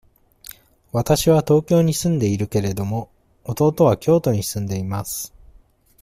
わたしは東京に住んでいるけれども、弟は京都に住んでいます。